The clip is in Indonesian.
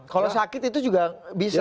kalau sakit itu juga bisa